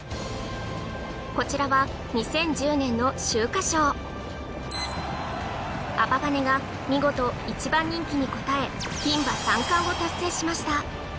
こちらは２０１０年の秋華賞アパパネが見事１番人気に応え牝馬三冠を達成しました